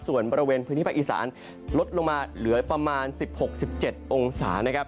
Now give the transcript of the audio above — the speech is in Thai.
ส่วนบริเวณพื้นที่ภาคอีสานลดลงมาเหลือประมาณ๑๖๑๗องศานะครับ